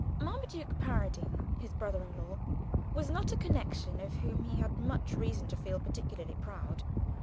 Marmaduke Paradine, his brother in law, was not a connection of whom he had much reason to feel particularly proud.